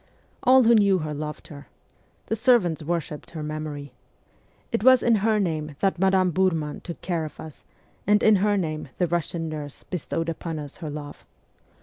All who knew her loved her. The servants worshipped her memory. It was in her name that Madame Biirman took care of us, and in her name the Russian nurse bestowed upon us her love.